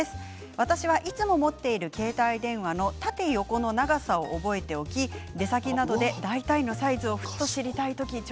私はいつも持っている携帯電話の縦、横の長さを覚えておき出先などで大体のサイズを賢い。